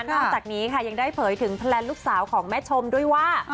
นอกจากนี้ค่ะยังได้เผยถึงแพลนลูกสาวของแม่ชมด้วยว่า